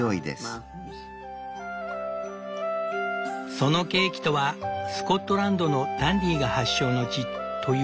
そのケーキとはスコットランドのダンディーが発祥の地というダンディーケーキ。